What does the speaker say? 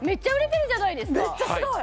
めっちゃすごい！